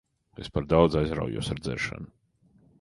Es par daudz aizraujos ar dzeršanu.